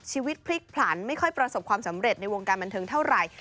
ชีวิตพลิกผลันไม่ค่อยประสบความสำเร็จในวงการบันเทิงเท่าไหร่